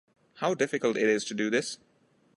How difficult it is to do this?